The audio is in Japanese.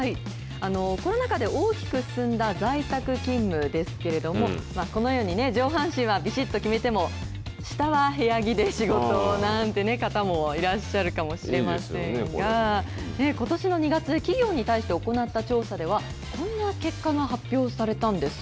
コロナ禍で大きく進んだ在宅勤務ですけれども、このように上半身はびしっと決めても、下は部屋着で仕事、なんて方もいらっしゃるかもしれませんが、ことしの２月、企業に対して行った調査では、こんな結果が発表されたんです。